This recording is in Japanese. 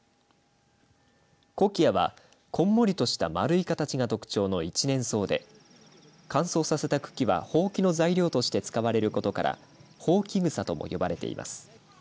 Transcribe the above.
コキアはこんもりとした丸い形が特徴の一年草で乾燥させた茎はほうきの材料として使われることからホウキグサとも呼ばれています。